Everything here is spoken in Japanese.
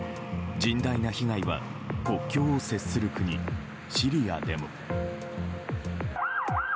甚大な被害は国境を接する国シリアでも。